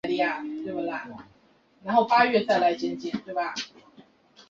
江国的青铜器如下。